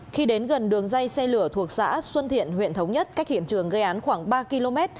khi đến gần đường dây xe lửa thuộc xã xuân thiện huyện thống nhất cách hiện trường gây án khoảng ba km